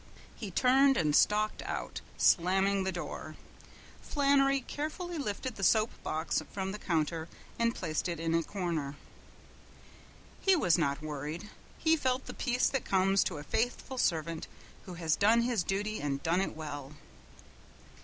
He turned and stalked out, slamming the door. Flannery carefully lifted the soap box from the counter and placed it in a corner. He was not worried. He felt the peace that comes to a faithful servant who has done his duty and done it well.